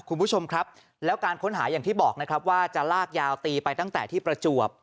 คุณผู้ชมครับแล้วการค้นหาอย่างที่บอกนะครับว่าจะลากยาวตีไปตั้งแต่ที่ประจวบ